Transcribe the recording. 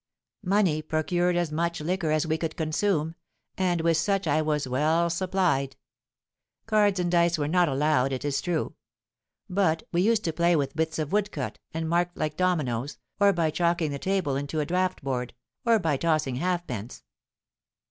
Money procured as much liquor as we could consume; and with such I was well supplied. Cards and dice were not allowed, it is true; but we used to play with bits of wood cut and marked like dominoes, or by chalking the table into a draught board, or by tossing halfpence.